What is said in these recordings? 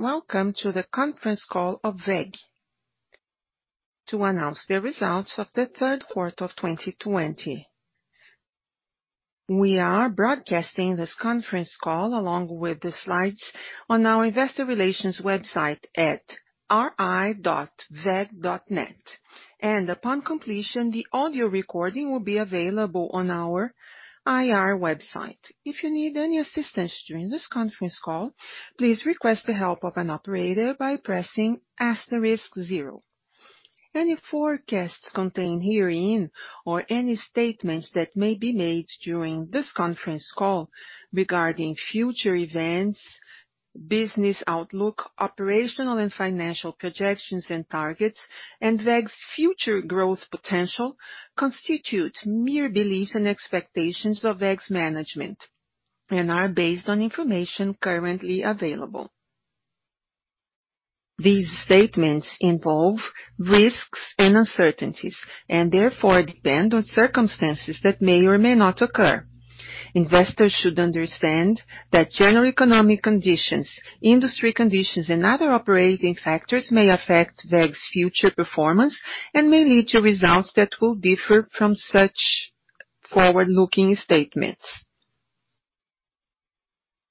Welcome to the conference call of WEG to announce the results of the third quarter of 2020. We are broadcasting this conference call along with the slides on our investor relations website at ri.weg.net. Upon completion, the audio recording will be available on our IR website. If you need any assistance during this conference call, please request the help of an operator by pressing asterisk zero. Any forecasts contained herein or any statements that may be made during this conference call regarding future events, business outlook, operational and financial projections and targets, and WEG's future growth potential, constitute mere beliefs and expectations of WEG's management and are based on information currently available. These statements involve risks and uncertainties and therefore depend on circumstances that may or may not occur. Investors should understand that general economic conditions, industry conditions, and other operating factors may affect WEG's future performance and may lead to results that will differ from such forward-looking statements.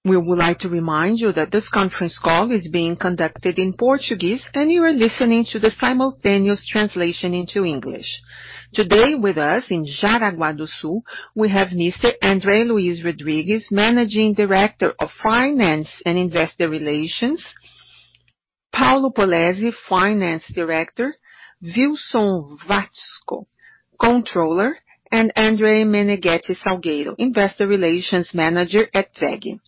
We would like to remind you that this conference call is being conducted in Portuguese, and you are listening to the simultaneous translation into English. Today with us in Jaraguá do Sul, we have Mr. André Luís Rodrigues, Managing Director of Finance and Investor Relations, Paulo Polezi, Finance Director, Wilson Watzko, Controller, and André Menegueti Salgueiro, Investor Relations Manager at WEG.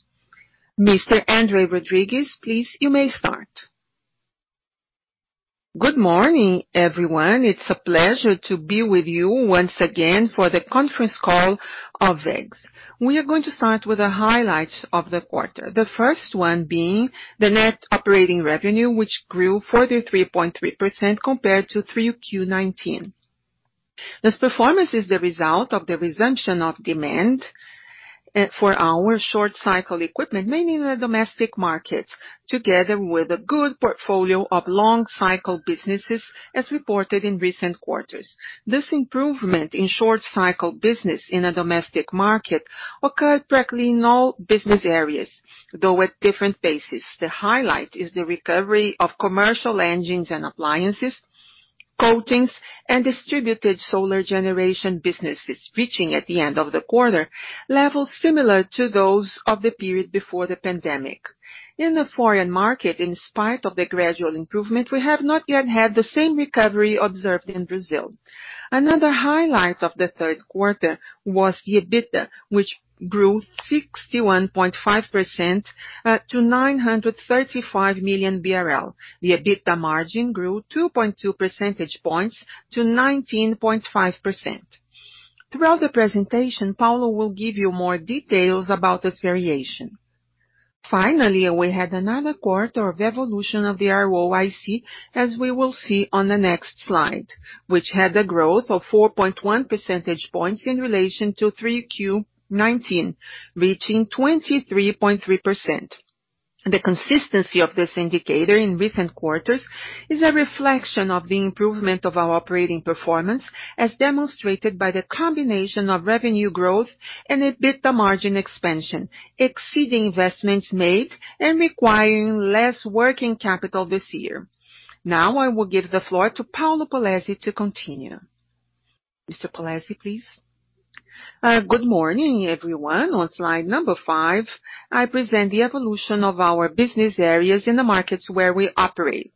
Mr. André Rodrigues, please, you may start. Good morning, everyone. It's a pleasure to be with you once again for the conference call of WEG. We are going to start with the highlights of the quarter. The first one being the net operating revenue, which grew 43.3% compared to Q3 2019. This performance is the result of the resumption of demand for our short cycle equipment, mainly in the domestic markets, together with a good portfolio of long cycle businesses as reported in recent quarters. This improvement in short cycle business in the domestic market occurred practically in all business areas, though at different paces. The highlight is the recovery of commercial engines and appliances, coatings, and distributed solar generation businesses, reaching at the end of the quarter, levels similar to those of the period before the pandemic. In the foreign market, in spite of the gradual improvement, we have not yet had the same recovery observed in Brazil. Another highlight of the third quarter was the EBITDA, which grew 61.5% to 935 million BRL. The EBITDA margin grew 2.2 percentage points to 19.5%. Throughout the presentation, Paulo will give you more details about this variation. Finally, we had another quarter of evolution of the ROIC, as we will see on the next slide, which had a growth of 4.1 percentage points in relation to Q3 2019, reaching 23.3%. The consistency of this indicator in recent quarters is a reflection of the improvement of our operating performance, as demonstrated by the combination of revenue growth and EBITDA margin expansion, exceeding investments made and requiring less working capital this year. Now I will give the floor to Paulo Polezi to continue. Mr. Polezi, please. Good morning, everyone. On slide number five, I present the evolution of our business areas in the markets where we operate.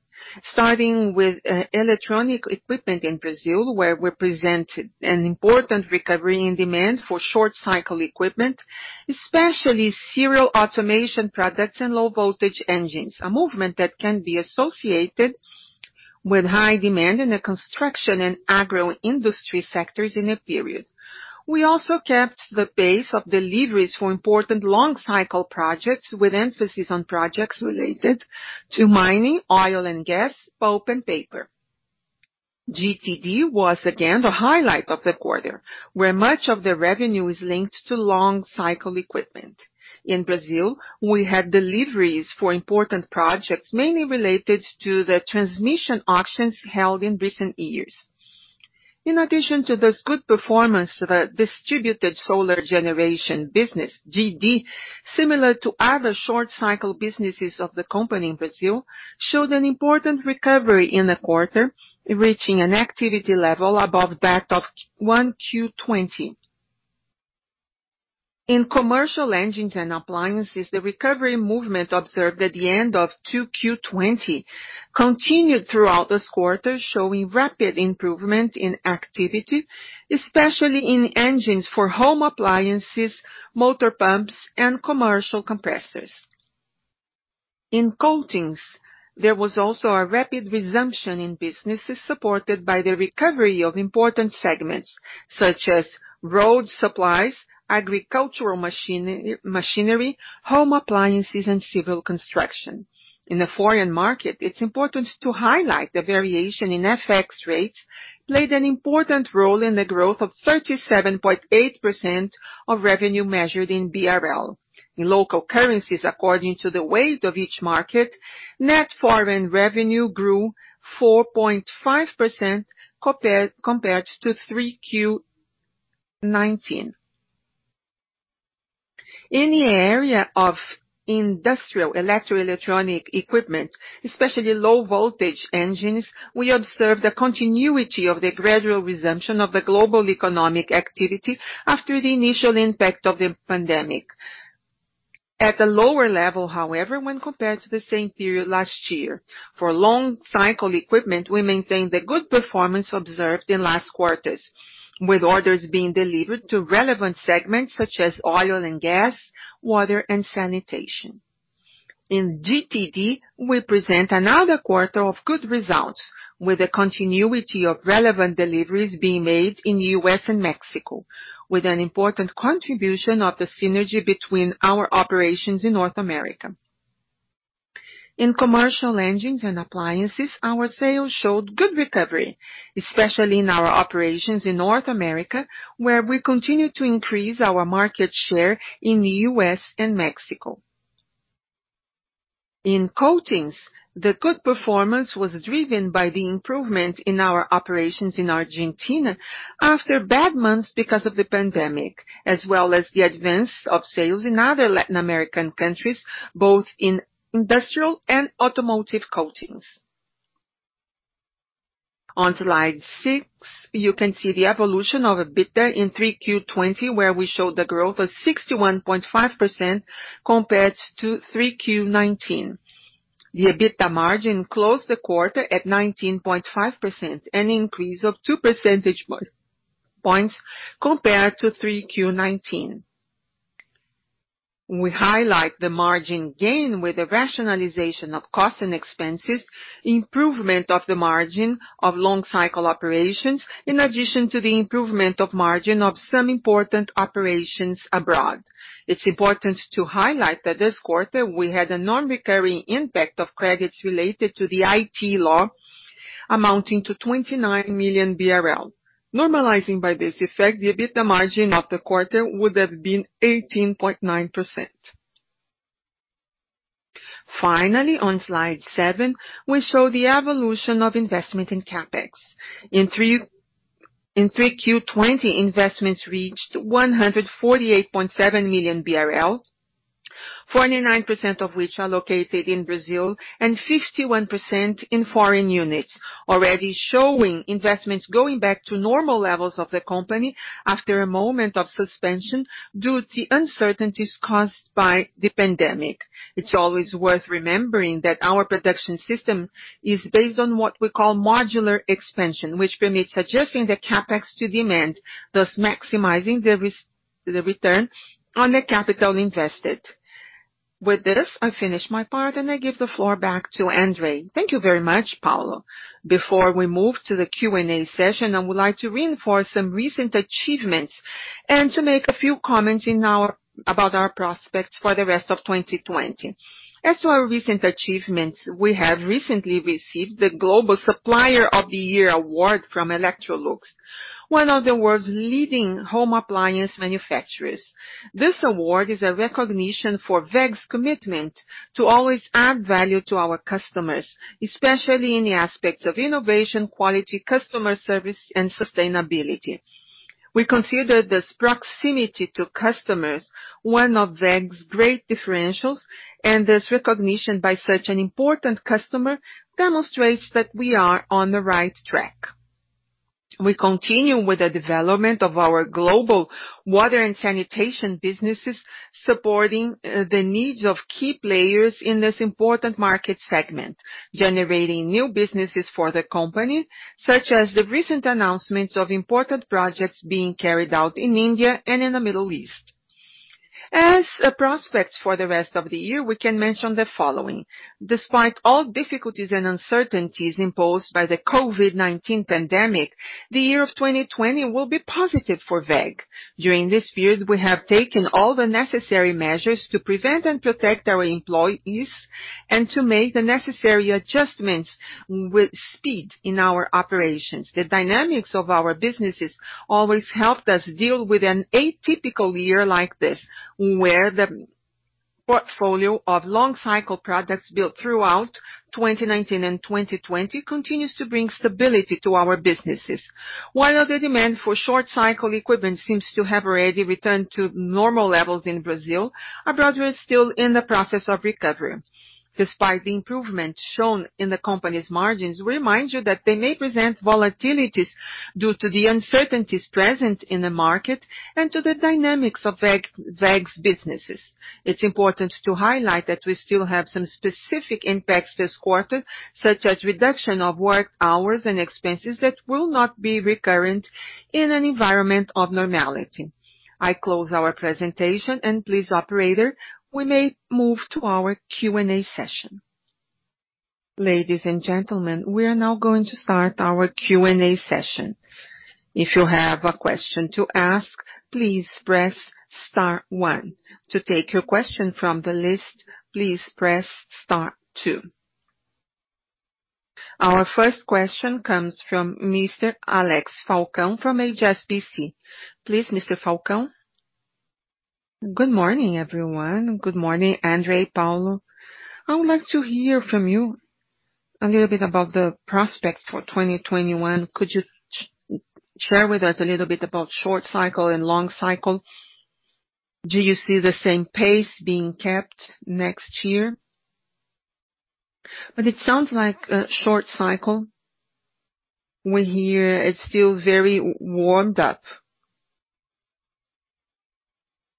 Starting with electronic equipment in Brazil, where we presented an important recovery in demand for short cycle equipment, especially serial automation products and low-voltage engines. A movement that can be associated with high demand in the construction and agro-industry sectors in the period. We also kept the pace of deliveries for important long cycle projects, with emphasis on projects related to mining, oil and gas, pulp and paper. GTD was again the highlight of the quarter, where much of the revenue is linked to long cycle equipment. In Brazil, we had deliveries for important projects, mainly related to the transmission auctions held in recent years. In addition to this good performance, the distributed solar generation business, GD, similar to other short cycle businesses of the company in Brazil, showed an important recovery in the quarter, reaching an activity level above that of Q1 20. In commercial engines and appliances, the recovery movement observed at the end of Q2 20 continued throughout this quarter, showing rapid improvement in activity, especially in engines for home appliances, motor pumps, and commercial compressors. In coatings, there was also a rapid resumption in businesses supported by the recovery of important segments such as road supplies, agricultural machinery, home appliances, and civil construction. In the foreign market, it's important to highlight the variation in FX rates played an important role in the growth of 37.8% of revenue measured in BRL. In local currencies, according to the weight of each market, net foreign revenue grew 4.5% compared to Q3 2019. In the area of industrial electro-electronic equipment, especially low voltage engines, we observe the continuity of the gradual resumption of the global economic activity after the initial impact of the pandemic. At a lower level, however, when compared to the same period last year. For long cycle equipment, we maintain the good performance observed in last quarters, with orders being delivered to relevant segments such as oil and gas, water, and sanitation. In GTD, we present another quarter of good results, with the continuity of relevant deliveries being made in the U.S. and Mexico, with an important contribution of the synergy between our operations in North America. In commercial engines and appliances, our sales showed good recovery, especially in our operations in North America, where we continue to increase our market share in the U.S. and Mexico. In coatings, the good performance was driven by the improvement in our operations in Argentina after bad months because of the pandemic, as well as the advance of sales in other Latin American countries, both in industrial and automotive coatings. On slide six, you can see the evolution of EBITDA in Q3 2020, where we showed the growth of 61.5% compared to Q3 2019. The EBITDA margin closed the quarter at 19.5%, an increase of two percentage points compared to Q3 2019. We highlight the margin gain with the rationalization of cost and expenses, improvement of the margin of long cycle operations, in addition to the improvement of margin of some important operations abroad. It's important to highlight that this quarter, we had a non-recurring impact of credits related to the IT law amounting to 29 million BRL. Normalizing by this effect, the EBITDA margin of the quarter would have been 18.9%. Finally, on slide seven, we show the evolution of investment in CapEx. In Q3 2020, investments reached 148.7 million BRL, 49% of which are located in Brazil and 51% in foreign units. Already showing investments going back to normal levels of the company after a moment of suspension due to uncertainties caused by the pandemic. It's always worth remembering that our production system is based on what we call modular expansion, which permits adjusting the CapEx to demand, thus maximizing the return on the capital invested. With this, I finish my part and I give the floor back to André. Thank you very much, Paulo. Before we move to the Q&A session, I would like to reinforce some recent achievements and to make a few comments about our prospects for the rest of 2020. As to our recent achievements, we have recently received the Global Supplier of the Year Award from Electrolux, one of the world's leading home appliance manufacturers. This award is a recognition for WEG's commitment to always add value to our customers, especially in the aspects of innovation, quality, customer service, and sustainability. We consider this proximity to customers one of WEG's great differentials, and this recognition by such an important customer demonstrates that we are on the right track. We continue with the development of our global water and sanitation businesses, supporting the needs of key players in this important market segment, generating new businesses for the company, such as the recent announcements of important projects being carried out in India and in the Middle East. As prospects for the rest of the year, we can mention the following. Despite all difficulties and uncertainties imposed by the COVID-19 pandemic, the year of 2020 will be positive for WEG. During this period, we have taken all the necessary measures to prevent and protect our employees and to make the necessary adjustments with speed in our operations. The dynamics of our businesses always helped us deal with an atypical year like this, where the portfolio of long-cycle products built throughout 2019 and 2020 continues to bring stability to our businesses. While the demand for short-cycle equipment seems to have already returned to normal levels in Brazil, abroad, we're still in the process of recovery. Despite the improvement shown in the company's margins, we remind you that they may present volatilities due to the uncertainties present in the market and to the dynamics of WEG's businesses. It's important to highlight that we still have some specific impacts this quarter, such as reduction of work hours and expenses that will not be recurrent in an environment of normality. I close our presentation, and please, operator, we may move to our Q&A session. Ladies and gentlemen, we are now going to start our Q&A session. If you have a question to ask, please press star one. To take your question from the list, please press star two. Our first question comes from Mr. Alex Falcao from HSBC. Please, Mr. Falcao. Good morning, everyone. Good morning, André, Paulo. I would like to hear from you a little bit about the prospect for 2021. Could you share with us a little bit about short cycle and long cycle? Do you see the same pace being kept next year? It sounds like a short cycle. We hear it's still very warmed up.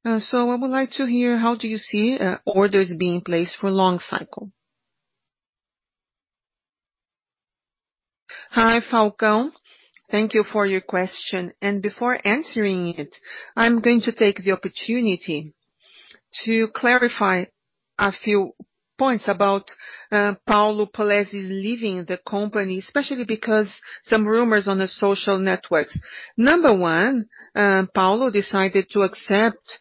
I would like to hear how do you see orders being placed for long cycle. Hi, Falcao. Thank you for your question. Before answering it, I'm going to take the opportunity to clarify a few points about Paulo Polezi leaving the company, especially because some rumors on the social networks. Number one, Paulo decided to accept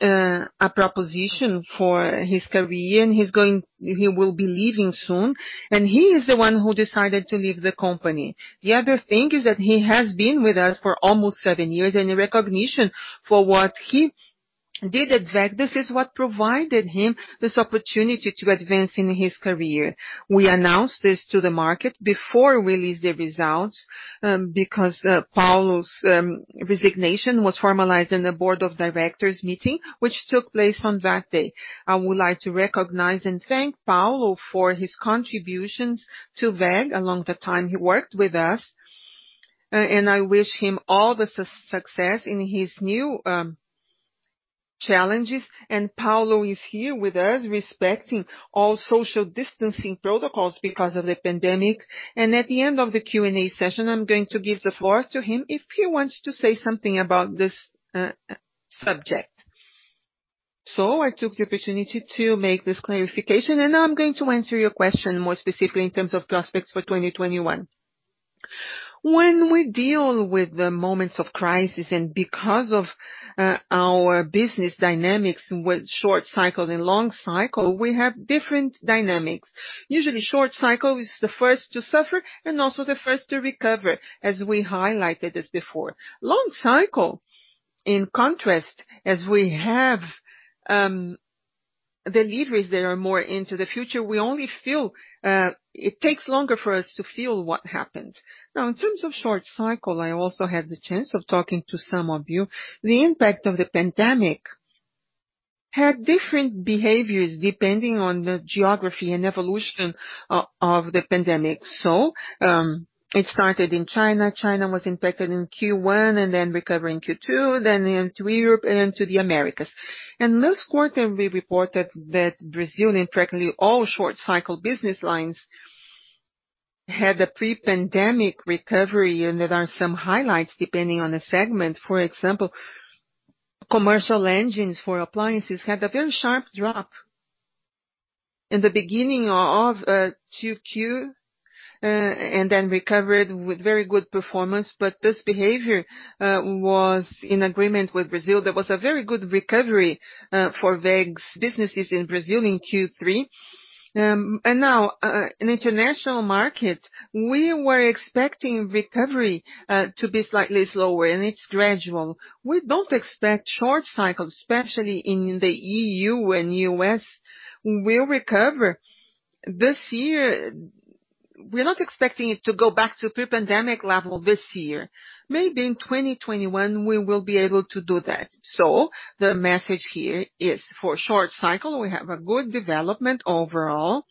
a proposition for his career, and he will be leaving soon, and he is the one who decided to leave the company. The other thing is that he has been with us for almost seven years, and the recognition for what he did at WEG, this is what provided him this opportunity to advance in his career. We announced this to the market before we released the results, because Paulo's resignation was formalized in the board of directors meeting, which took place on that day. I would like to recognize and thank Paulo for his contributions to WEG along the time he worked with us. I wish him all the success in his new challenges. Paulo is here with us respecting all social distancing protocols because of the pandemic. At the end of the Q&A session, I'm going to give the floor to him if he wants to say something about this subject. I took the opportunity to make this clarification, and now I'm going to answer your question more specifically in terms of prospects for 2021. When we deal with the moments of crisis and because of our business dynamics with short cycle and long cycle, we have different dynamics. Usually short cycle is the first to suffer and also the first to recover, as we highlighted this before. Long cycle, in contrast, as we have deliveries that are more into the future, it takes longer for us to feel what happened. In terms of short cycle, I also had the chance of talking to some of you. The impact of the pandemic had different behaviors depending on the geography and evolution of the pandemic. It started in China. China was impacted in Q1 and then recover in Q2, then into Europe and into the Americas. Last quarter, we reported that Brazil, in practically all short cycle business lines, had a pre-pandemic recovery, and there are some highlights depending on the segment. For example, commercial engines for appliances had a very sharp drop in the beginning of 2Q and then recovered with very good performance. This behavior was in agreement with Brazil. There was a very good recovery for WEG's businesses in Brazil in Q3. Now, in international market, we were expecting recovery to be slightly slower, and it's gradual. We don't expect short cycle, especially in the EU and U.S., will recover this year. We're not expecting it to go back to pre-pandemic level this year. Maybe in 2021 we will be able to do that. The message here is for short cycle, we have a good development overall.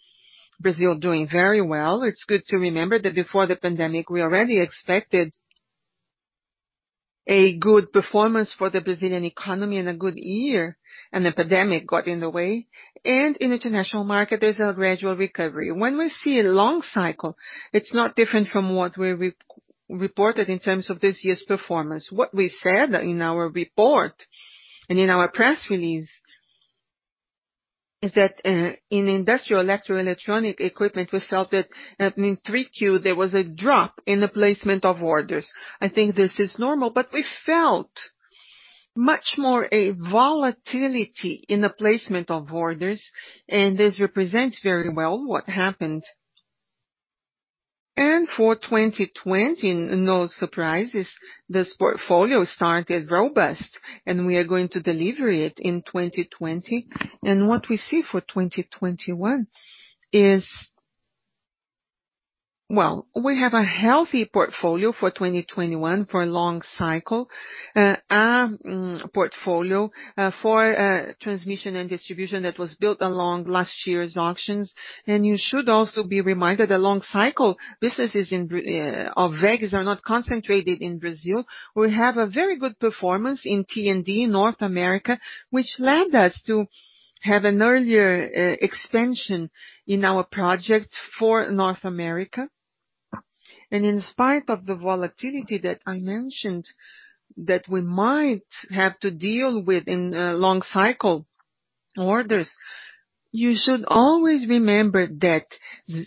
Brazil doing very well. It's good to remember that before the pandemic, we already expected a good performance for the Brazilian economy and a good year, and the pandemic got in the way. In international market, there's a gradual recovery. When we see a long cycle, it's not different from what we reported in terms of this year's performance. What we said in our report and in our press release is that in industrial electrical and electronic equipment, we felt that in 3Q, there was a drop in the placement of orders. I think this is normal, but we felt much more a volatility in the placement of orders, and this represents very well what happened. For 2020, no surprises. This portfolio started robust, we are going to deliver it in 2020. What we see for 2021 is, we have a healthy portfolio for 2021 for long cycle. Our portfolio for transmission and distribution that was built along last year's auctions. You should also be reminded that long cycle businesses of WEG's are not concentrated in Brazil. We have a very good performance in T&D North America, which led us to have an earlier expansion in our project for North America. In spite of the volatility that I mentioned that we might have to deal with in long cycle orders, you should always remember that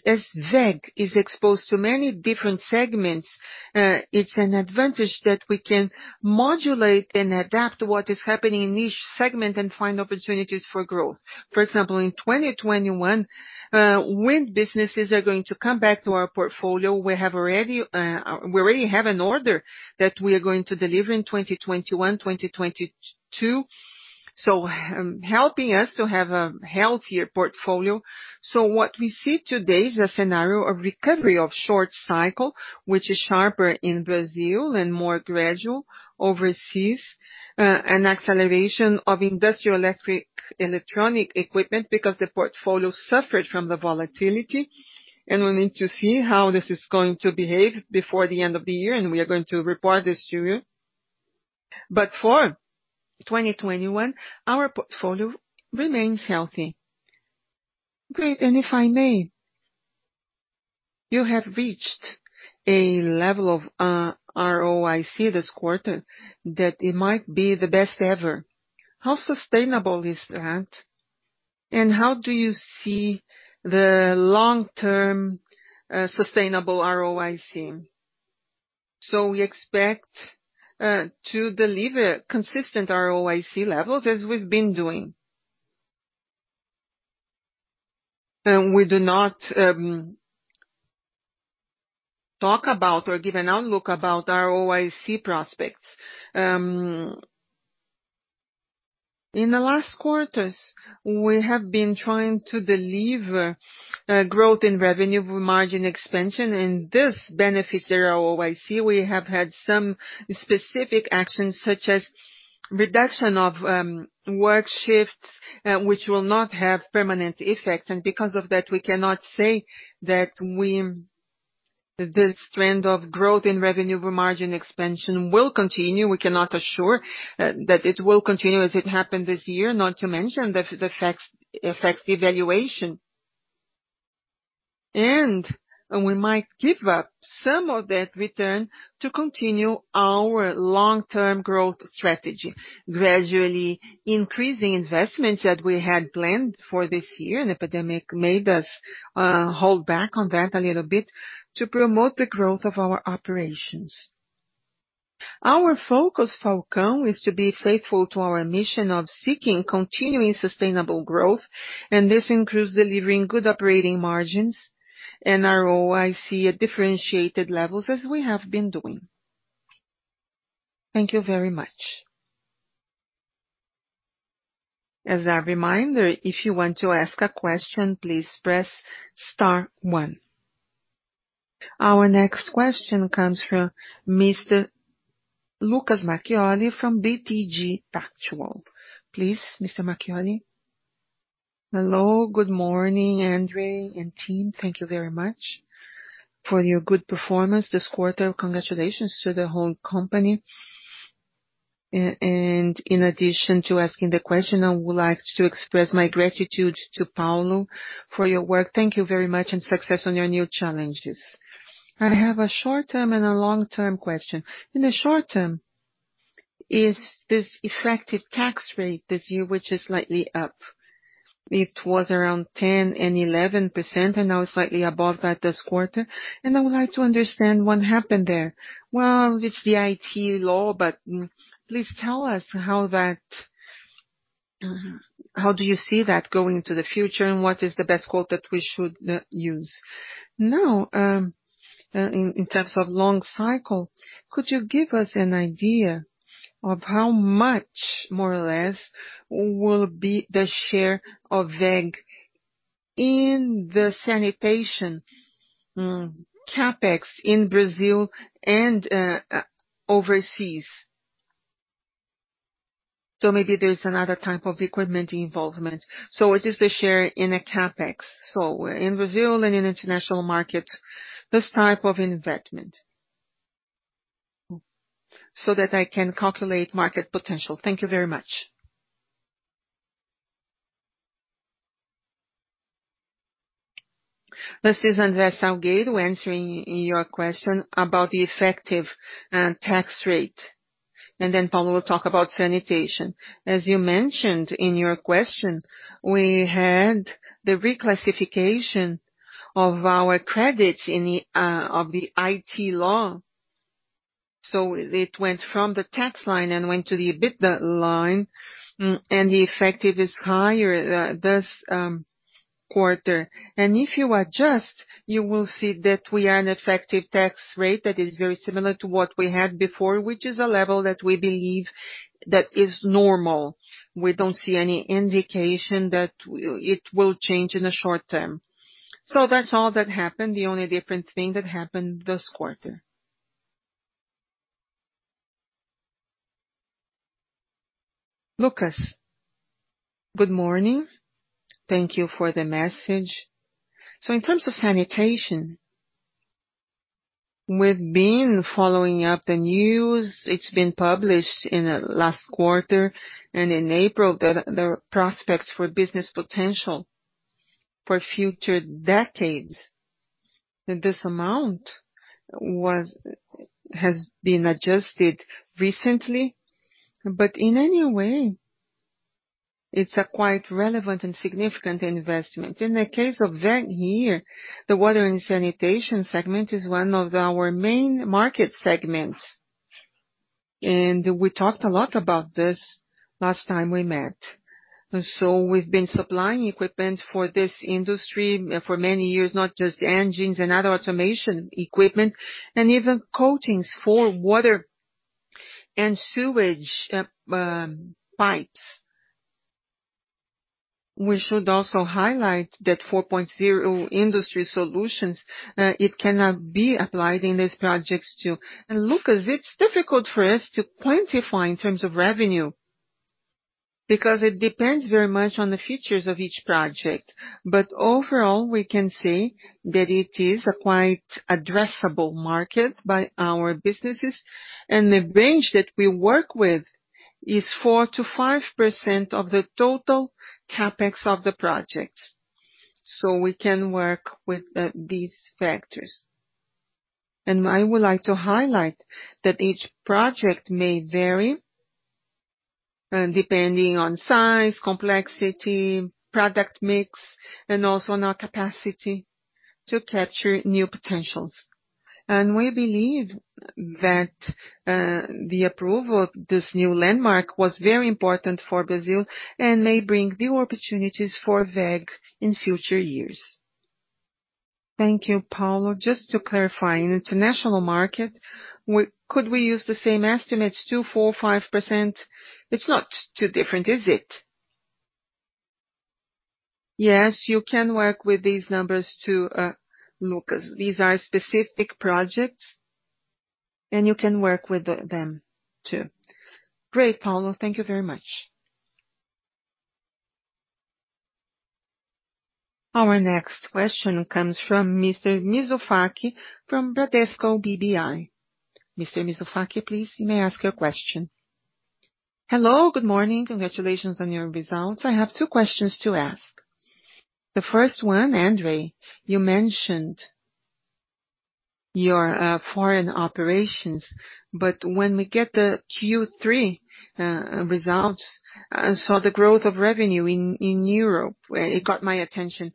as WEG is exposed to many different segments, it's an advantage that we can modulate and adapt to what is happening in each segment and find opportunities for growth. For example, in 2021, wind businesses are going to come back to our portfolio. We already have an order that we are going to deliver in 2021, 2022. Helping us to have a healthier portfolio. What we see today is a scenario of recovery of short cycle, which is sharper in Brazil and more gradual overseas. An acceleration of industrial electro-electronic equipment because the portfolio suffered from the volatility, and we need to see how this is going to behave before the end of the year. We are going to report this to you. For 2021, our portfolio remains healthy. Great. If I may, you have reached a level of ROIC this quarter that it might be the best ever. How sustainable is that? How do you see the long-term sustainable ROIC? We expect to deliver consistent ROIC levels as we've been doing. We do not talk about or give an outlook about ROIC prospects. In the last quarters, we have been trying to deliver growth in revenue margin expansion, and this benefits the ROIC. We have had some specific actions, such as reduction of work shifts, which will not have permanent effects, and because of that, we cannot say that the trend of growth in revenue margin expansion will continue. We cannot assure that it will continue as it happened this year. Not to mention the effects evaluation. We might give up some of that return to continue our long-term growth strategy, gradually increasing investments that we had planned for this year, and the pandemic made us hold back on that a little bit to promote the growth of our operations. Our focus, Falcao, is to be faithful to our mission of seeking continuing sustainable growth, and this includes delivering good operating margins and ROIC at differentiated levels as we have been doing. Thank you very much. As a reminder, if you want to ask a question, please press star one. Our next question comes from Mr. Lucas Marquiori from BTG Pactual. Please, Mr. Marquiori. Hello. Good morning, André and team. Thank you very much for your good performance this quarter. Congratulations to the whole company. In addition to asking the question, I would like to express my gratitude to Paulo Polezi for your work. Thank you very much and success on your new challenges. I have a short-term and a long-term question. In the short-term, is this effective tax rate this year, which is slightly up. It was around 10% and 11%, and now slightly above that this quarter. I would like to understand what happened there. It's the IT law, but please tell us how do you see that going into the future, and what is the best quote that we should use? In terms of long cycle, could you give us an idea of how much, more or less, will be the share of WEG in the sanitation CapEx in Brazil and overseas? Maybe there's another type of equipment involvement. It is the share in a CapEx. In Brazil and in international markets, this type of investment, so that I can calculate market potential. Thank you very much. This is André Salgueiro answering your question about the effective tax rate, then Paulo will talk about sanitation. As you mentioned in your question, we had the reclassification of our credits of the IT law. It went from the tax line and went to the EBITDA line, the effective is higher this quarter. If you adjust, you will see that we are an effective tax rate that is very similar to what we had before, which is a level that we believe that is normal. We don't see any indication that it will change in the short-term. That's all that happened. The only different thing that happened this quarter. Lucas, good morning. Thank you for the message. In terms of sanitation, we've been following up the news. It's been published in the last quarter and in April that the prospects for business potential for future decades, that this amount has been adjusted recently. In any way, it's a quite relevant and significant investment. In the case of WEG here, the water and sanitation segment is one of our main market segments. We talked a lot about this last time we met. We've been supplying equipment for this industry for many years, not just engines and other automation equipment, and even coatings for water and sewage pipes. We should also highlight that 4.0 industry solutions, it can now be applied in these projects too. Lucas, it's difficult for us to quantify in terms of revenue, because it depends very much on the features of each project. Overall, we can say that it is a quite addressable market by our businesses. The range that we work with is 4%-5% of the total CapEx of the projects. We can work with these factors. I would like to highlight that each project may vary, depending on size, complexity, product mix, and also on our capacity to capture new potentials. We believe that the approval of this new landmark was very important for Brazil and may bring new opportunities for WEG in future years. Thank you, Paulo. Just to clarify, in international market, could we use the same estimates too, 4%, 5%? It's not too different, is it? Yes, you can work with these numbers too, Lucas. These are specific projects, and you can work with them too. Great, Paulo. Thank you very much. Our next question comes from Mr. Mizusaki from Bradesco BBI. Mr. Mizusaki, please, you may ask your question. Hello, good morning. Congratulations on your results. I have two questions to ask. The first one, André, you mentioned your foreign operations. When we get the Q3 results, I saw the growth of revenue in Europe. It got my attention.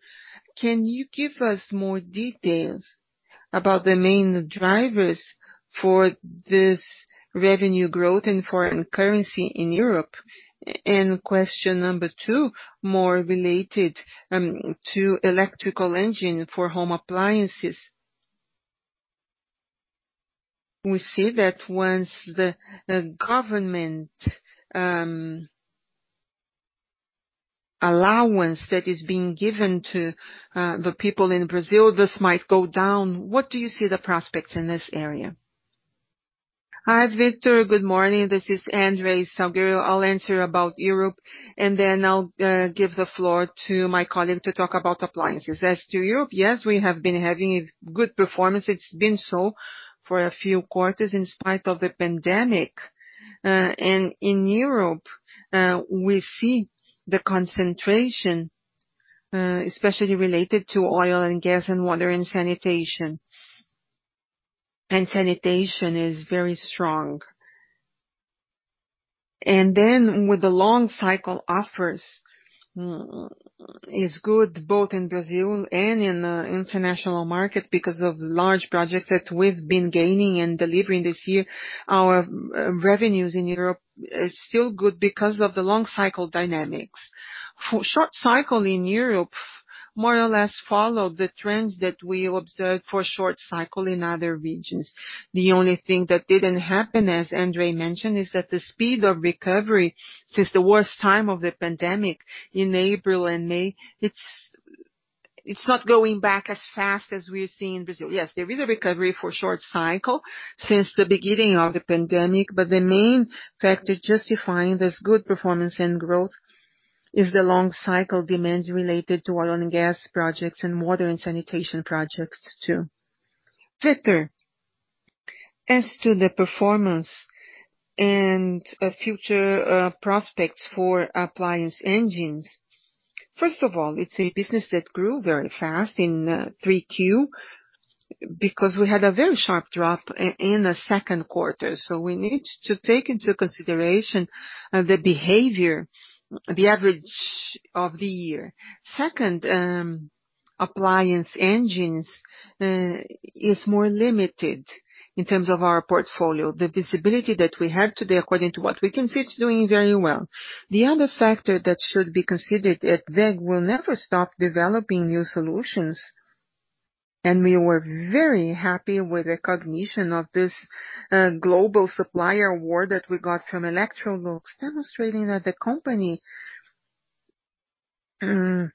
Can you give us more details about the main drivers for this revenue growth in foreign currency in Europe? Question number two, more related to electrical engine for home appliances. We see that once the government allowance that is being given to the people in Brazil, this might go down. What do you see the prospects in this area? Hi, Victor. Good morning. This is André Salgueiro. I'll answer about Europe, and then I'll give the floor to my colleague to talk about appliances. As to Europe, yes, we have been having a good performance. It's been so for a few quarters in spite of the pandemic. In Europe, we see the concentration, especially related to oil and gas and water and sanitation. Sanitation is very strong. With the long cycle offers is good both in Brazil and in the international market because of large projects that we've been gaining and delivering this year. Our revenues in Europe is still good because of the long cycle dynamics. For short cycle in Europe, more or less followed the trends that we observed for short cycle in other regions. The only thing that didn't happen, as André mentioned, is that the speed of recovery since the worst time of the pandemic in April and May, it's not going back as fast as we're seeing in Brazil. Yes, there is a recovery for short cycle since the beginning of the pandemic, but the main factor justifying this good performance and growth is the long cycle demands related to oil and gas projects and water and sanitation projects, too. Victor, as to the performance and future prospects for appliance engines, first of all, it's a business that grew very fast in 3Q because we had a very sharp drop in the second quarter. We need to take into consideration the behavior, the average of the year. Second, appliance engines is more limited in terms of our portfolio. The visibility that we have today, according to what we can see, it's doing very well. The other factor that should be considered, that WEG will never stop developing new solutions. We were very happy with the recognition of this global supplier award that we got from Electrolux, demonstrating that the company, no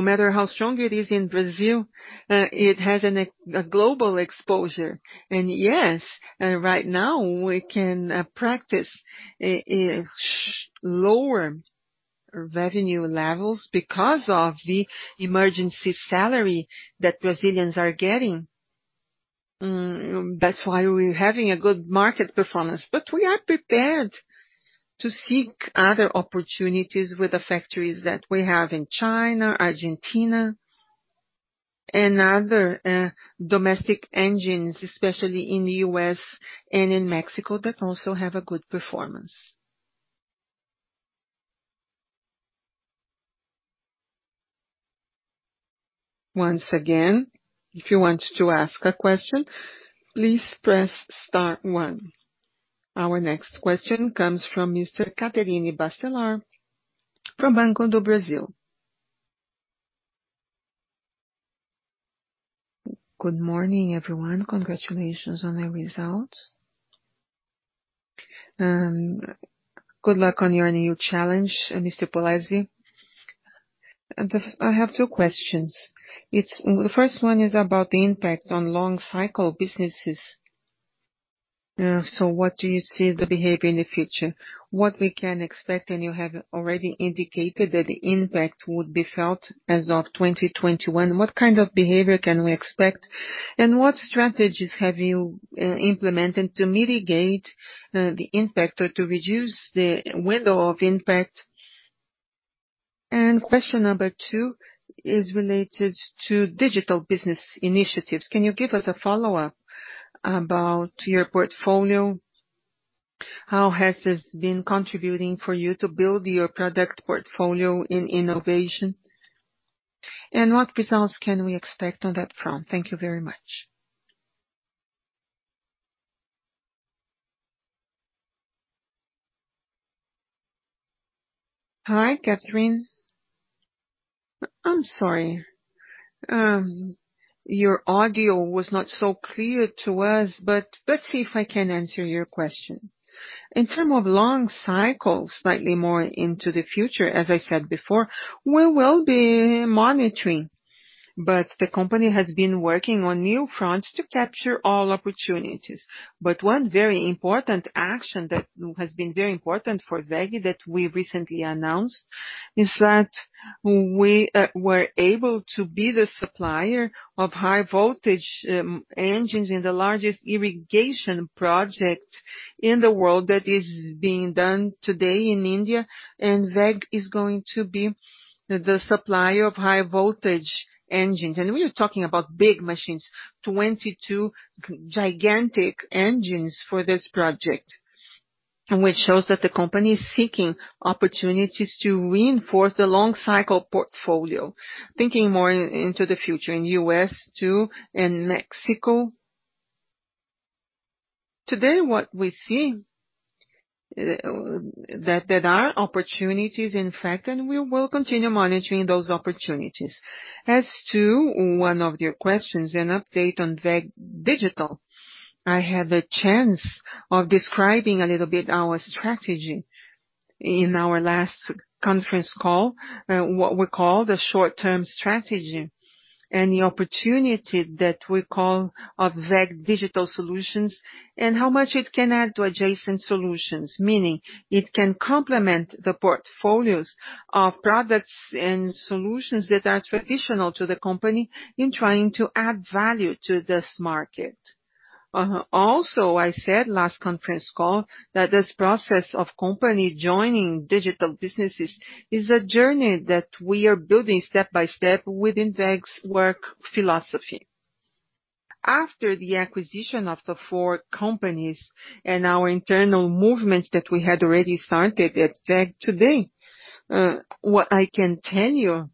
matter how strong it is in Brazil, it has a global exposure. Yes, right now we can practice lower revenue levels because of the emergency salary that Brazilians are getting. That's why we're having a good market performance. We are prepared to seek other opportunities with the factories that we have in China, Argentina, and other domestic engines, especially in the U.S. and in Mexico, that also have a good performance. Once again, if you want to ask a question, please press star one. Our next question comes from Mr. Catherine Kiselar from Banco do Brasil. G ood morning, everyone. Congratulations on the results. Good luck on your new challenge, Mr. Polezi. I have two questions. The first one is about the impact on long cycle businesses. What do you see the behavior in the future? What we can expect, and you have already indicated that the impact would be felt as of 2021. What kind of behavior can we expect, and what strategies have you implemented to mitigate the impact or to reduce the window of impact? Question number two is related to digital business initiatives. Can you give us a follow-up about your portfolio? How has this been contributing for you to build your product portfolio in innovation? What results can we expect on that front? Thank you very much. Hi, Catherine. I'm sorry. Your audio was not so clear to us, but let's see if I can answer your question. In terms of long cycle, slightly more into the future, as I said before, we will be monitoring. The company has been working on new fronts to capture all opportunities. One very important action that has been very important for WEG that we recently announced is that we were able to be the supplier of high voltage engines in the largest irrigation project in the world that is being done today in India. WEG is going to be the supplier of high voltage engines. We are talking about big machines, 22 gigantic engines for this project. Which shows that the company is seeking opportunities to reinforce the long-cycle portfolio, thinking more into the future in U.S., too, and Mexico. Today, what we see, that there are opportunities, in fact, and we will continue monitoring those opportunities. As to one of your questions, an update on WEG Digital. I had the chance of describing a little bit our strategy in our last conference call, what we call the short-term strategy. The opportunity that we call of WEG Digital Solutions and how much it can add to adjacent solutions. Meaning it can complement the portfolios of products and solutions that are traditional to the company in trying to add value to this market. Also, I said last conference call that this process of company joining digital businesses is a journey that we are building step by step within WEG's work philosophy. After the acquisition of the four companies and our internal movements that we had already started at WEG today, what I can tell you,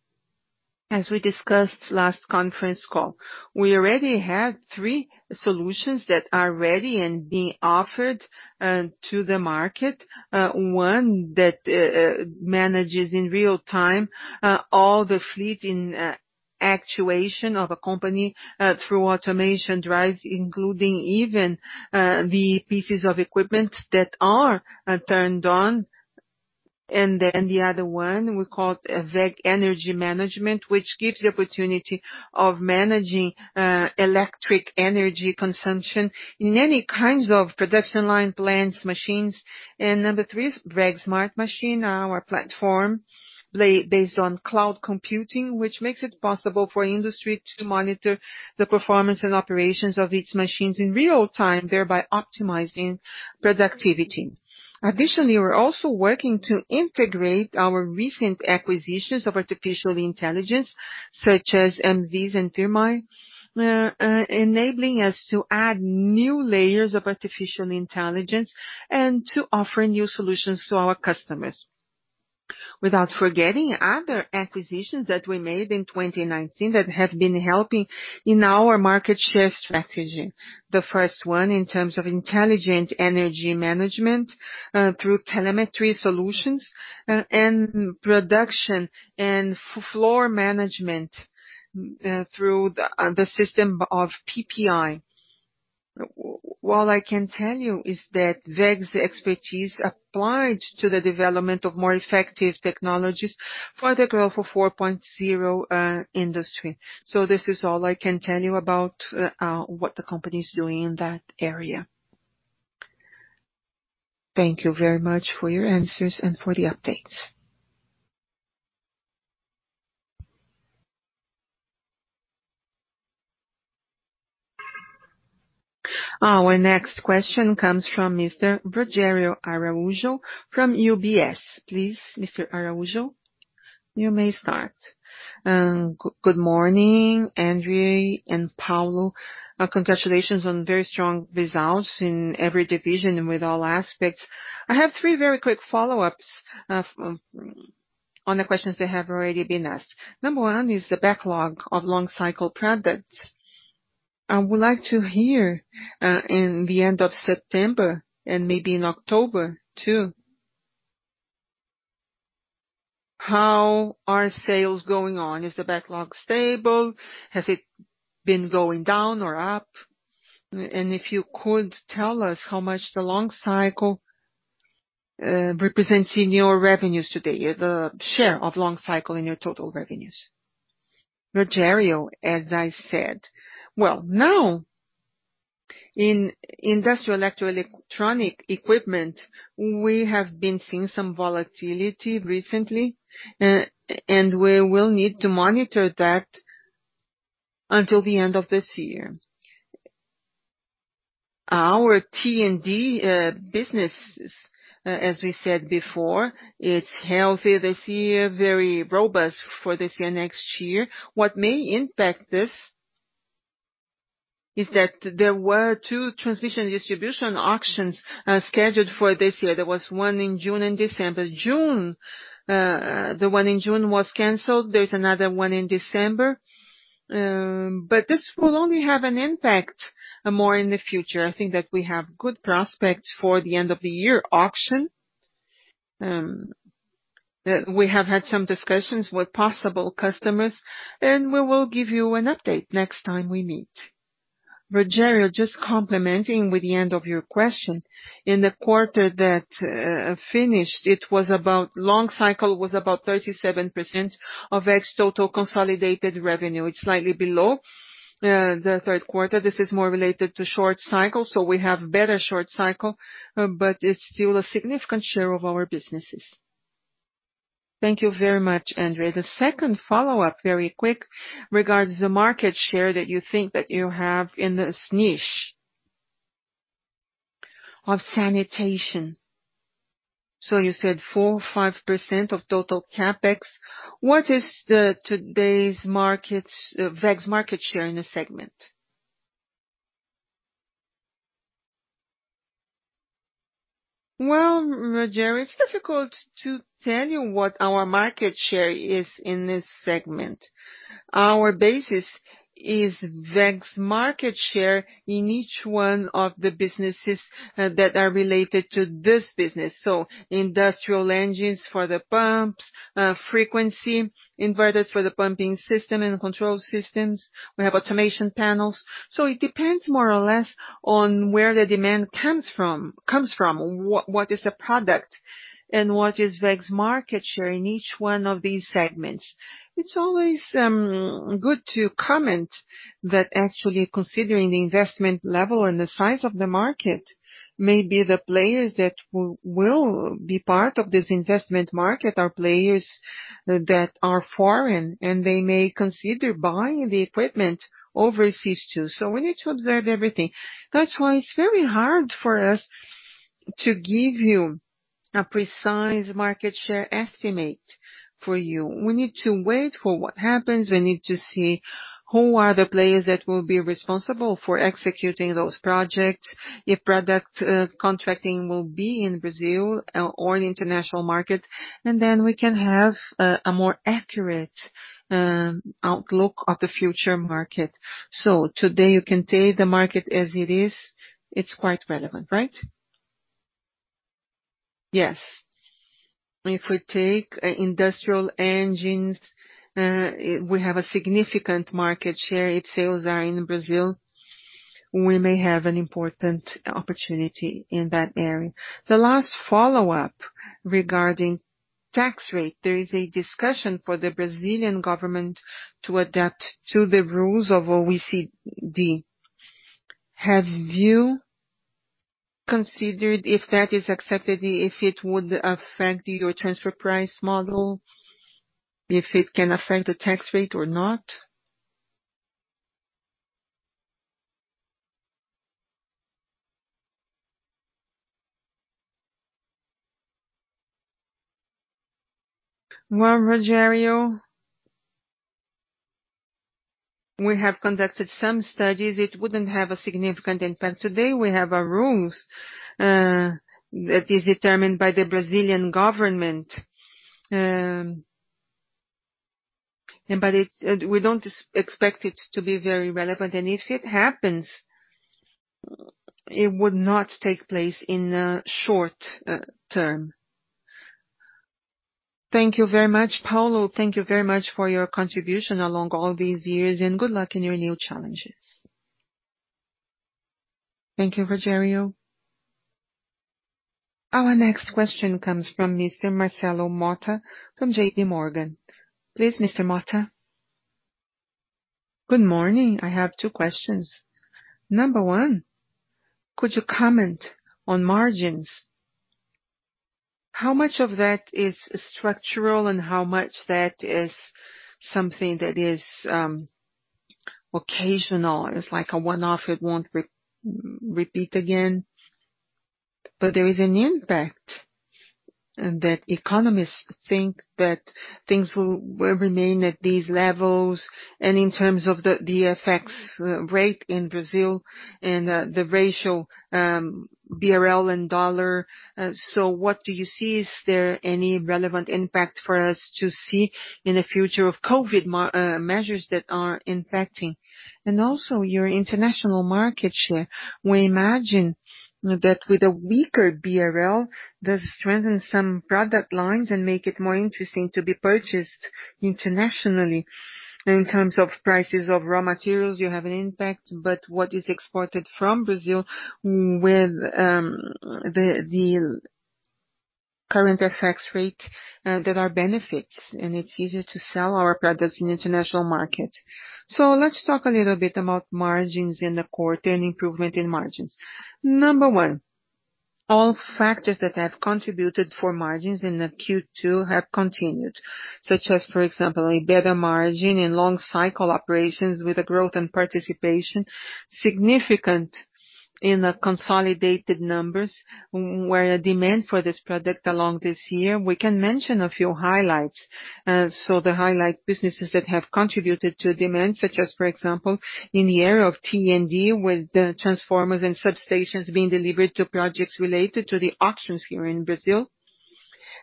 as we discussed last conference call, we already have three solutions that are ready and being offered to the market. One that manages in real-time, all the fleet in actuation of a company, through automation drives, including even the pieces of equipment that are turned on. The other one we call WEG Energy Management, which gives the opportunity of managing electric energy consumption in any kinds of production line plants, machines. Number three is WEG Smart Machine, our platform based on cloud computing, which makes it possible for industry to monitor the performance and operations of its machines in real-time, thereby optimizing productivity. Additionally, we're also working to integrate our recent acquisitions of artificial intelligence, such as MVISIA and BirminD, enabling us to add new layers of artificial intelligence and to offer new solutions to our customers. Without forgetting other acquisitions that we made in 2019 that have been helping in our market-share strategy. The first one, in terms of intelligent energy management, through telemetry solutions, and production and floor management through the system of PPI. What I can tell you is that WEG's expertise applied to the development of more effective technologies for the growth of Industry 4.0. This is all I can tell you about what the company's doing in that area. Thank you very much for your answers and for the updates. Our next question comes from Mr. Rogério Araújo from UBS. Please, Mr. Araújo, you may start. Good morning, André and Paulo. Congratulations on very strong results in every division and with all aspects. I have three very quick follow-ups. On the questions that have already been asked. Number one is the backlog of long cycle products. I would like to hear in the end of September, and maybe in October too, how are sales going on. Is the backlog stable? Has it been going down or up? If you could tell us how much the long cycle represents in your revenues today, the share of long cycle in your total revenues. Rogério, as I said, well, now in industrial electronic equipment, we have been seeing some volatility recently, and we will need to monitor that until the end of this year. Our T&D business, as we said before, it's healthy this year, very robust for this year, next year. What may impact this is that there were two transmission distribution auctions scheduled for this year. There was one in June and December. The one in June was canceled. There's another one in December. This will only have an impact more in the future. I think that we have good prospects for the end of the year auction. We have had some discussions with possible customers, and we will give you an update next time we meet. Rogério, just complementing with the end of your question. In the quarter that finished, long cycle was about 37% of WEG's total consolidated revenue. It's slightly below the third quarter. This is more related to short cycle, so we have better short cycle, but it's still a significant share of our businesses. Thank you very much, André. The second follow-up, very quick, regards the market share that you think that you have in this niche of sanitation. You said 4% or 5% of total CapEx. What is today's WEG's market share in the segment? Well, Rogério, it's difficult to tell you what our market share is in this segment. Our basis is WEG's market share in each one of the businesses that are related to this business. Industrial engines for the pumps, frequency inverters for the pumping system and control systems. We have automation panels. It depends more or less on where the demand comes from, what is the product, and what is WEG's market share in each one of these segments. It's always good to comment that actually considering the investment level and the size of the market, maybe the players that will be part of this investment market are players that are foreign, and they may consider buying the equipment overseas too. We need to observe everything. That's why it's very hard for us to give you a precise market share estimate for you. We need to wait for what happens. We need to see who are the players that will be responsible for executing those projects, if product contracting will be in Brazil or in the international market. We can have a more accurate outlook of the future market. Today, you can take the market as it is. It's quite relevant, right? Yes. If we take industrial engines, we have a significant market share. If sales are in Brazil, we may have an important opportunity in that area. The last follow-up regarding tax rate. There is a discussion for the Brazilian government to adapt to the rules of OECD. Have you considered, if that is accepted, if it would affect your transfer price model? If it can affect the tax rate or not? Well, Rogério, we have conducted some studies. It wouldn't have a significant impact. Today, we have our rules that is determined by the Brazilian government. We don't expect it to be very relevant. If it happens, it would not take place in a short-term. Thank you very much, Paulo. Thank you very much for your contribution along all these years, and good luck in your new challenges. Thank you, Rogério Our next question comes from Mr. Marcelo Motta from JPMorgan. Please, Mr. Motta. Good morning. I have two questions. Number one, could you comment on margins? How much of that is structural and how much that is something that is occasional? It is like a one-off, it won't repeat again. There is an impact. Economists think that things will remain at these levels. In terms of the FX rate in Brazil and the ratio BRL and dollar, so what do you see? Is there any relevant impact for us to see in the future of COVID-19 measures that are impacting? Also your international market share. We imagine that with a weaker BRL, does it strengthen some product lines and make it more interesting to be purchased internationally in terms of prices of raw materials, you have an impact. What is exported from Brazil with the current FX rate, there are benefits, and it's easier to sell our products in international market. Let's talk a little bit about margins in the quarter and improvement in margins. Number one, all factors that have contributed for margins in the Q2 have continued, such as, for example, a better margin in long cycle operations with a growth and participation significant in the consolidated numbers, where demand for this product along this year. We can mention a few highlights. The highlight businesses that have contributed to demand, such as, for example, in the area of T&D with the transformers and substations being delivered to projects related to the auctions here in Brazil.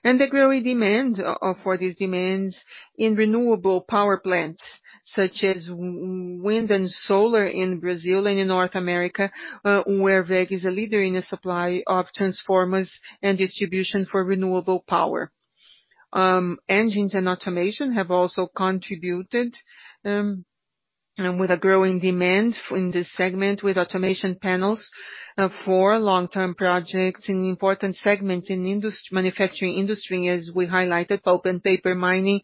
The growing demand for these demands in renewable power plants, such as wind and solar in Brazil and in North America, where WEG is a leader in the supply of transformers and distribution for renewable power. Engines and automation have also contributed, with a growing demand in this segment with automation panels for long-term projects in important segments in manufacturing industry, as we highlighted, pulp and paper, mining,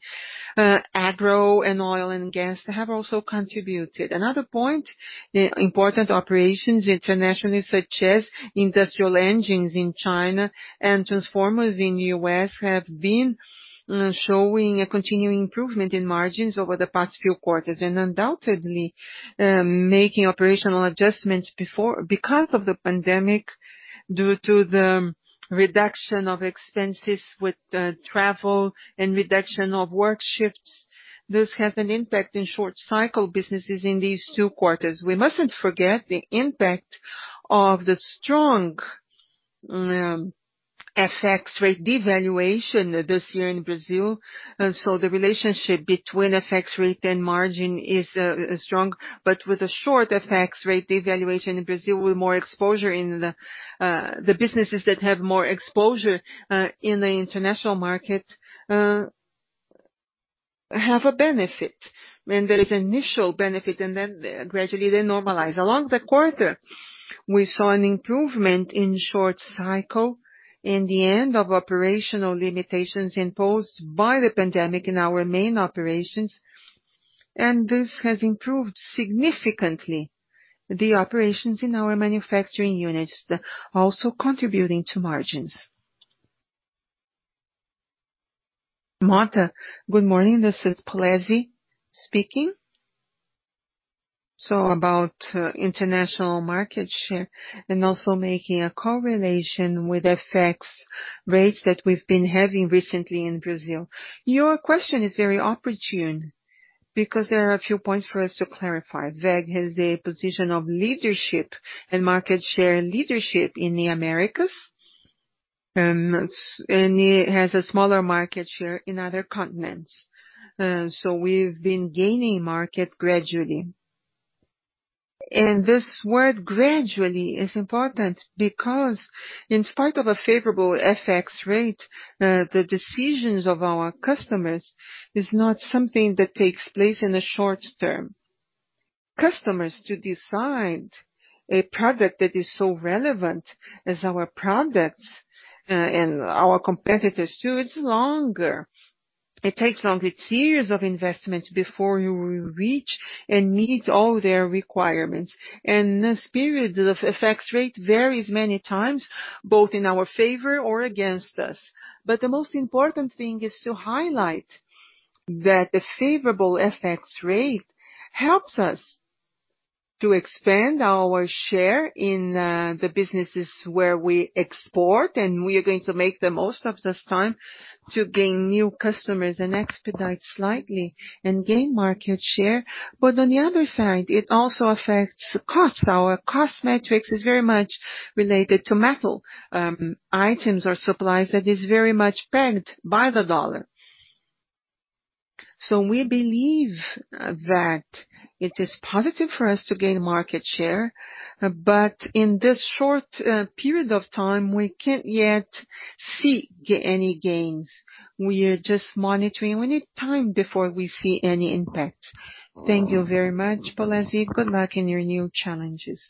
agro, and oil and gas have also contributed. Another point, important operations internationally, such as industrial engines in China and transformers in U.S., have been showing a continuing improvement in margins over the past few quarters. Undoubtedly, making operational adjustments because of the pandemic, due to the reduction of expenses with travel and reduction of work shifts. This has an impact in short cycle businesses in these two quarters. We mustn't forget the impact of the strong FX rate devaluation this year in Brazil. The relationship between FX rate and margin is strong, but with a short FX rate devaluation in Brazil, with the businesses that have more exposure in the international market have a benefit. There is initial benefit, and then gradually they normalize. Along the quarter, we saw an improvement in short cycle in the end of operational limitations imposed by the pandemic in our main operations. This has improved significantly the operations in our manufacturing units, also contributing to margins. Motta, good morning. This is Polezi speaking. About international market share and also making a correlation with FX rates that we've been having recently in Brazil. Your question is very opportune because there are a few points for us to clarify. WEG has a position of leadership and market share leadership in the Americas. It has a smaller market share in other continents. We've been gaining market gradually. This word gradually is important because in spite of a favorable FX rate, the decisions of our customers is not something that takes place in the short-term. Customers to decide a product that is so relevant as our products and our competitors too, it's longer. It takes longer. It's years of investments before you will reach and meet all their requirements. This period of FX rate varies many times, both in our favor or against us. The most important thing is to highlight that the favorable FX rate helps us to expand our share in the businesses where we export, and we are going to make the most of this time to gain new customers and expedite slightly and gain market share. On the other side, it also affects cost. Our cost metrics is very much related to metal items or supplies that is very much pegged by the dollar. We believe that it is positive for us to gain market share. In this short period of time, we can't yet see any gains. We are just monitoring. We need time before we see any impact. Thank you very much, Polezi. Good luck in your new challenges.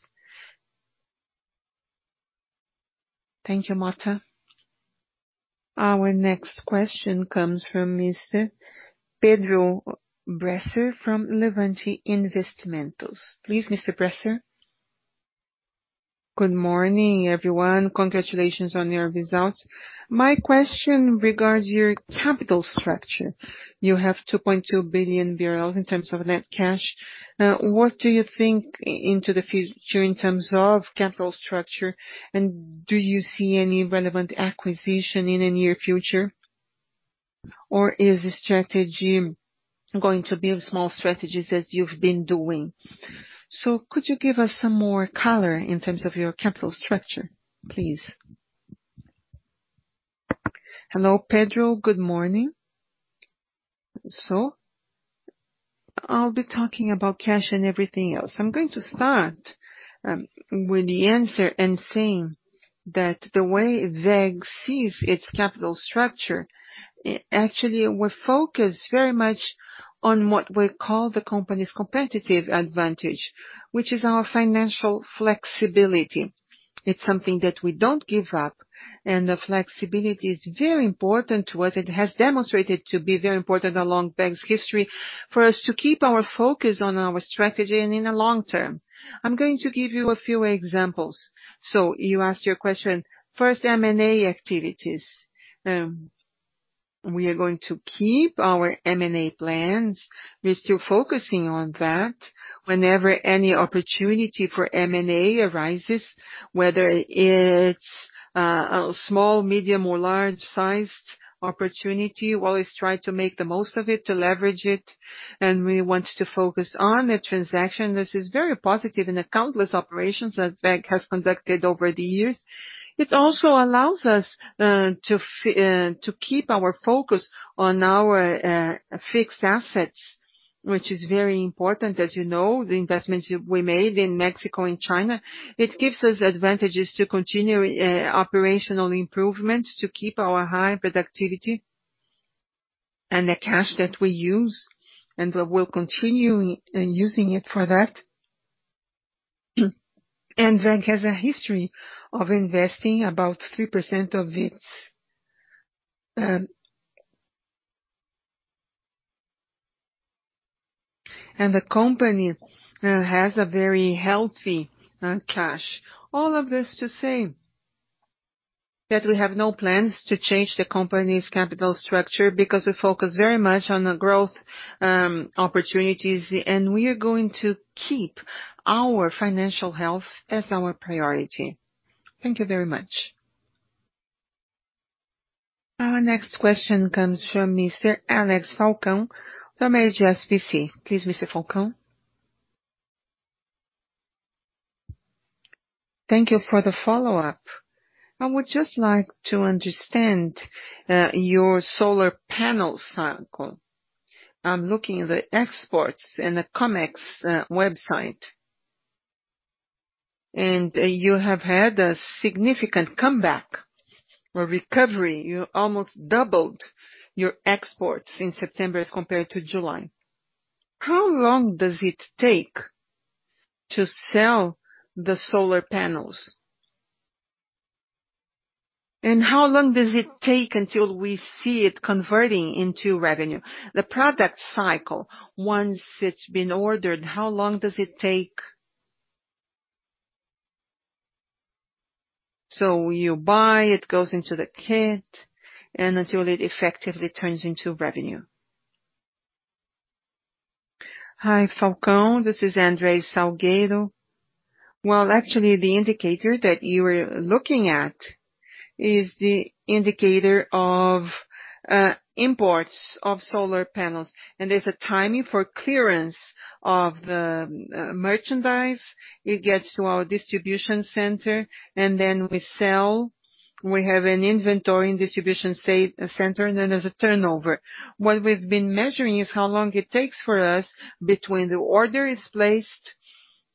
Thank you, Motta. Our next question comes from Mr. Pedro Bresser from Levante Investimentos. Please, Mr. Bresser. Good morning, everyone. Congratulations on your results. My question regards your capital structure. You have 2.2 billion BRL in terms of net cash. What do you think into the future in terms of capital structure? Do you see any relevant acquisition in the near future? Is the strategy going to be small strategies as you've been doing? Could you give us some more color in terms of your capital structure, please? Hello, Pedro. Good morning. I'll be talking about cash and everything else. I'm going to start with the answer and saying that the way WEG sees its capital structure, actually, we're focused very much on what we call the company's competitive advantage, which is our financial flexibility. It's something that we don't give up, and the flexibility is very important to us. It has demonstrated to be very important along WEG's history for us to keep our focus on our strategy and in the long-term. I'm going to give you a few examples. You asked your question. First, M&A activities. We are going to keep our M&A plans. We're still focusing on that. Whenever any opportunity for M&A arises, whether it's a small, medium, or large-sized opportunity, we'll always try to make the most of it, to leverage it, and we want to focus on the transaction. This is very positive in the countless operations that WEG has conducted over the years. It also allows us to keep our focus on our fixed assets, which is very important. As you know, the investments we made in Mexico and China, it gives us advantages to continue operational improvements, to keep our high productivity, and the cash that we use, and we will continue using it for that. WEG has a history of investing about 3% of it. The company has a very healthy cash. All of this to say that we have no plans to change the company's capital structure because we focus very much on the growth opportunities, and we are going to keep our financial health as our priority. Thank you very much. Our next question comes from Mr. Alex Falcao from HSBC. Please, Mr. Falcao. Thank you for the follow-up. I would just like to understand your solar panel cycle. I'm looking at the exports in the Comex website, you have had a significant comeback or recovery. You almost doubled your exports in September as compared to July. How long does it take to sell the solar panels? How long does it take until we see it converting into revenue? The product cycle, once it's been ordered, how long does it take? You buy, it goes into the kit, and until it effectively turns into revenue. Hi, Falcao. This is André Salgueiro. Well, actually, the indicator that you were looking at is the indicator of imports of solar panels, and there's a timing for clearance of the merchandise. It gets to our distribution center, and then we sell. We have an inventory and distribution center, and then there's a turnover. What we've been measuring is how long it takes for us between the order is placed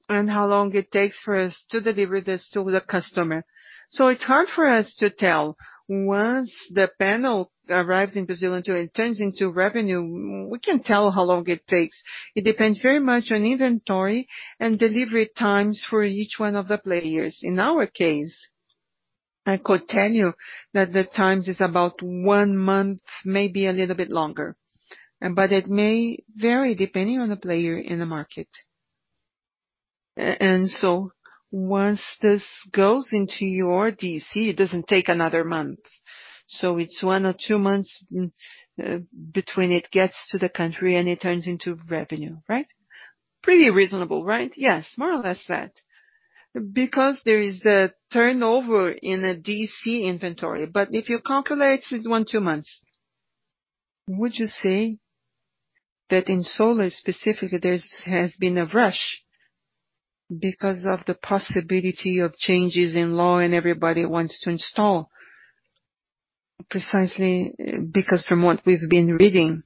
and how long it takes for us to deliver this to the customer. It's hard for us to tell. Once the panel arrives in Brazil until it turns into revenue, we can tell how long it takes. It depends very much on inventory and delivery times for each one of the players. In our case, I could tell you that the time is about one month, maybe a little bit longer. It may vary depending on the player in the market. Once this goes into your DC, it doesn't take another month. It's one or two months between it gets to the country and it turns into revenue, right? Pretty reasonable, right? Yes, more or less that. Because there is a turnover in the DC inventory. If you calculate it, one, two months. Would you say that in solar specifically, there has been a rush because of the possibility of changes in law and everybody wants to install? Precisely because from what we've been reading,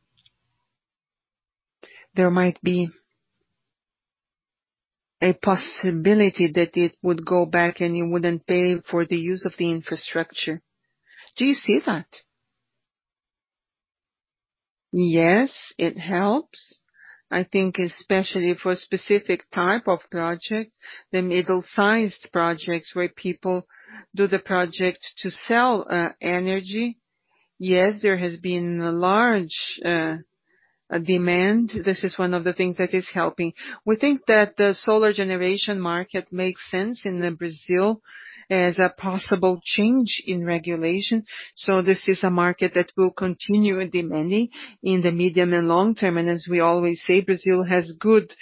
there might be a possibility that it would go back and you wouldn't pay for the use of the infrastructure. Do you see that? Yes, it helps. I think especially for a specific type of project, the middle-sized projects where people do the project to sell energy. Yes, there has been a large demand. This is one of the things that is helping. We think that the solar generation market makes sense in Brazil as a possible change in regulation. This is a market that will continue demanding in the medium- and long-term. As we always say, Brazil has good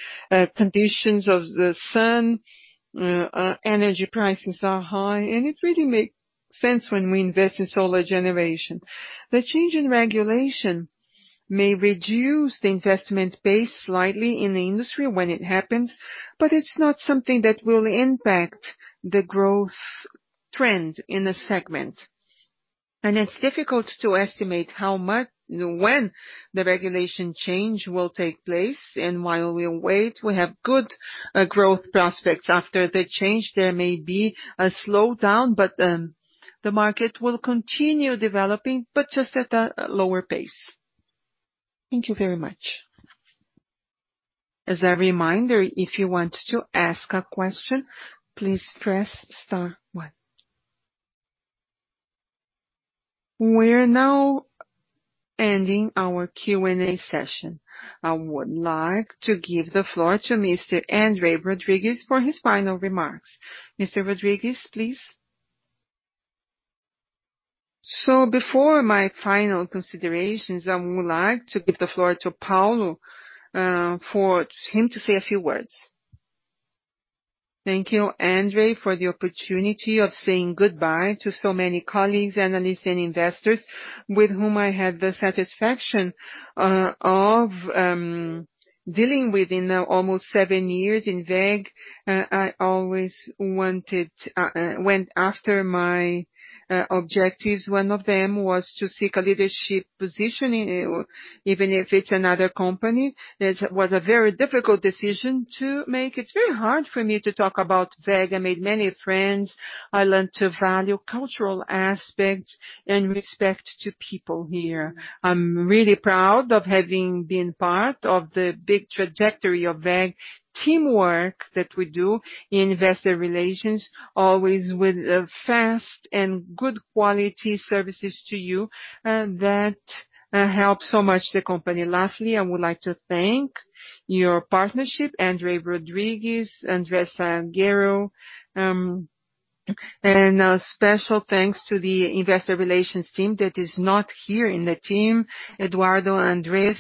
conditions of the sun. Energy prices are high, and it really makes sense when we invest in solar generation. The change in regulation may reduce the investment base slightly in the industry when it happens, but it's not something that will impact the growth trend in the segment. It's difficult to estimate when the regulation change will take place and while we wait, we have good growth prospects. After the change, there may be a slowdown, the market will continue developing, but just at a lower pace. Thank you very much. We're now ending our Q&A session. I would like to give the floor to Mr. André Rodrigues for his final remarks. Mr. Rodrigues, please. Before my final considerations, I would like to give the floor to Paulo, for him to say a few words. Thank you, André, for the opportunity of saying goodbye to so many colleagues, analysts, and investors with whom I had the satisfaction of dealing with in almost seven years in WEG. I always went after my objectives. One of them was to seek a leadership position, even if it's another company. It was a very difficult decision to make. It's very hard for me to talk about WEG. I made many friends. I learned to value cultural aspects and respect to people here. I'm really proud of having been part of the big trajectory of WEG teamwork that we do in investor relations, always with fast and good quality services to you, that helps so much the company. Lastly, I would like to thank your partnership, André Luís Rodrigues, André Salgueiro. A special thanks to the investor relations team that is not here in the team, Eduardo, André,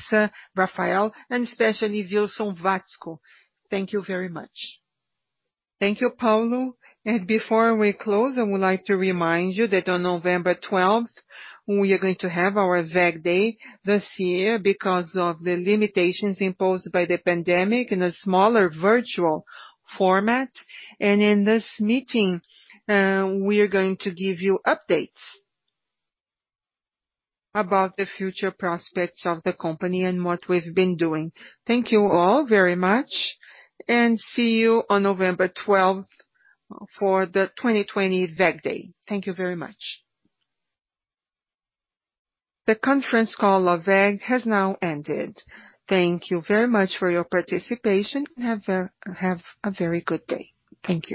Rafael, and especially Wilson Watzko. Thank you very much. Thank you, Paulo. Before we close, I would like to remind you that on November 12th, we are going to have our WEG Day this year because of the limitations imposed by the pandemic in a smaller virtual format. In this meeting, we're going to give you updates about the future prospects of the company and what we've been doing. Thank you all very much, and see you on November 12th for the 2020 WEG Day. Thank you very much. The conference call of WEG has now ended. Thank you very much for your participation and have a very good day. Thank you.